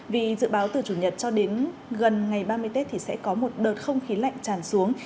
vì dự báo từ chủ nhật cho đến gần ngày ba mươi tết thì sẽ có một đợt không khí lạnh tràn xuống